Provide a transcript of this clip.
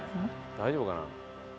大丈夫かな？